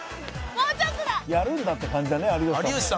やるんだって感じだね有吉さんも。